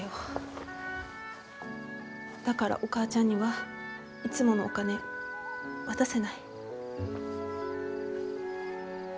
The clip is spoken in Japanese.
だからお母ちゃんにはいつものお金渡せない。